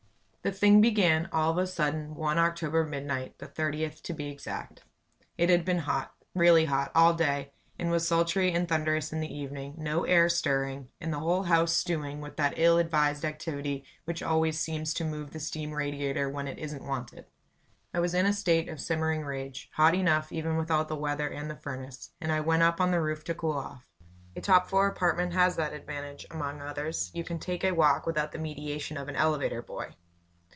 The thing began all of a sudden, one October midnight the 30th, to be exact. It had been hot, really hot, all day, and was sultry and thunderous in the evening; no air stirring, and the whole house stewing with that ill advised activity which always seems to move the steam radiator when it isn't wanted. I was in a state of simmering rage hot enough, even without the weather and the furnace and I went up on the roof to cool off. A top floor apartment has that advantage, among others you can take a walk without the mediation of an elevator boy!